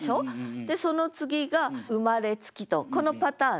でその次が「生れつき」とこのパターンね。